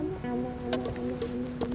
dia selipin di semak semak